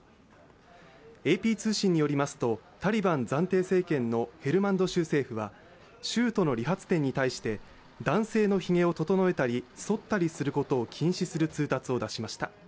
ＡＰ通信によりますと、タリバン暫定政権のヘルマンド州政府は州都の理髪店に対して男性のひげを整えたりそったりすることを禁止する通達を出しました。